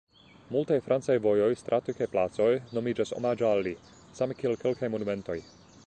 Multaj francaj vojoj, stratoj kaj placoj nomiĝas omaĝe al li, same kiel kelkaj monumentoj.